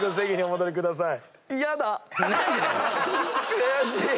悔しい！